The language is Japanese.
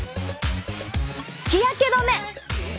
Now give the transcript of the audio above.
日焼け止め！